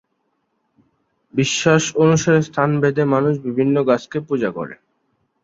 বিশ্বাস অনুসারে স্থান ভেদে মানুষ বিভিন্ন গাছকে পূজা করে।